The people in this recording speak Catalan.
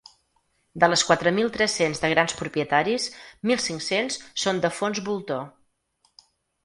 De les quatre mil tres-cents de grans propietaris, mil cinc-cents són de fons voltor.